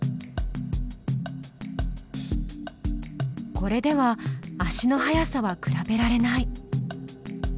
これでは足の速さは比べられない。